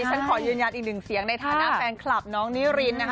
ฉันขอยืนยันอีกหนึ่งเสียงในฐานะแฟนคลับน้องนิรินนะคะ